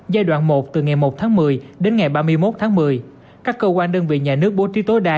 giai đoạn một từ ngày một tháng một mươi đến ngày ba mươi một tháng một mươi các cơ quan đơn vị nhà nước bố trí tối đa